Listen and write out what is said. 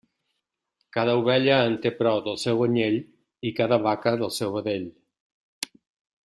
Cada ovella en té prou del seu anyell, i cada vaca del seu vedell.